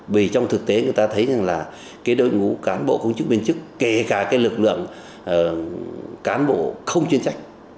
vì trong thực tế người ta thấy rằng là cái đội ngũ cán bộ công chức viên chức kể cả cái lực lượng cán bộ không chuyên trách